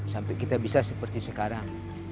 sampai kita bisa seperti sekarang